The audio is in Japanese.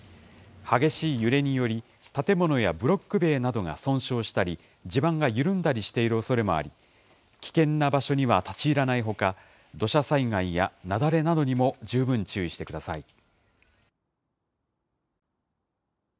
激しい揺れにより、建物やブロック塀などが損傷したり、地盤が緩んだりしているおそれもあり、危険な場所には立ち入らないほか、土砂災害や雪崩などにも十分注意してください。